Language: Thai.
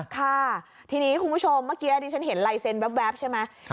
ค่ะทีนี้คุณผู้ชมเมื่อกี้ดิฉันเห็นลายเซ็นต์แว๊บใช่ไหม